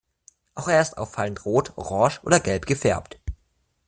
Auch er ist auffallend rot, orange oder gelb gefärbt.